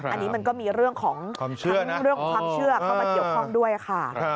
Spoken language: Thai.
อันนี้มันก็มีเรื่องของความเชื่อเข้ามาเกี่ยวข้องด้วยค่ะ